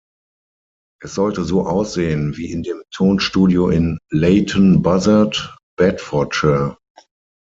Es sollte so aussehen, wie in dem Tonstudio in Leighton Buzzard, Bedfordshire.